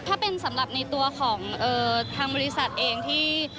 ถ้าเป็นสำหรับในตัวของทางบริษัทเองที่